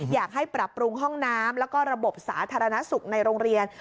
อยากให้ปรับปรุงห้องน้ำแล้วก็ระบบสาธารณสุขในโรงเรียน